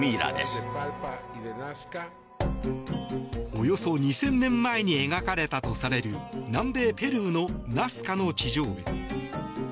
およそ２０００年前に描かれたとされる南米ペルーのナスカの地上絵。